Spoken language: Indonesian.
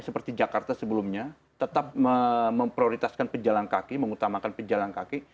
seperti jakarta sebelumnya tetap memprioritaskan pejalan kaki mengutamakan pejalan kaki